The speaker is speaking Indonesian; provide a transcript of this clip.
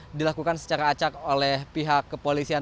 ini dilakukan secara acak oleh pihak kepolisian